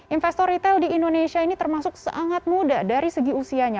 investor retail di indonesia ini termasuk sangat muda dari segi usianya